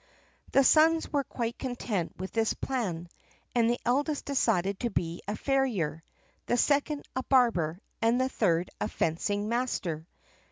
The sons were quite content with this plan, and the eldest decided to be a farrier, the second a barber, and the third a fencing master.